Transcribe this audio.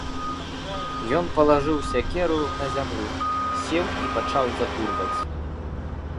Ён палажыў сякеру на зямлю, сеў і пачаў закурваць.